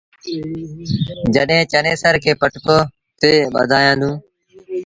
جڏهيݩ چنيسر کي پٽڪو تي ٻڌآيآندون۔